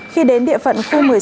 khi đến địa phận khu một